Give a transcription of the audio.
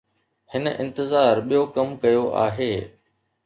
هن انتظار ٻيو ڪم ڪيو آهي.